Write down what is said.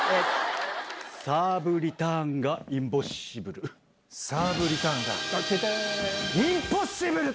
サーブリターンがインポッシサーブリターンが、インポッシブル！